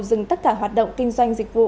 dừng tất cả hoạt động kinh doanh dịch vụ